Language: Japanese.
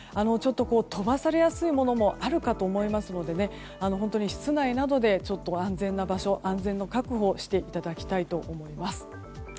飛ばされやすいものもあるかと思いますので室内などで安全な場所安全の確保をしていただきたいと思います。